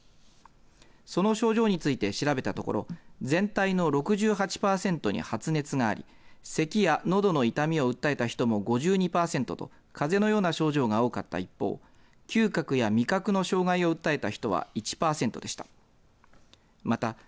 その症状について調べたところ全体の６８パーセントに発熱がありせきやのどの痛みを訴えた人も５２パーセントとかぜのような症状が多かった一方嗅覚や味覚の障害を訴えた人は１パーセントでした。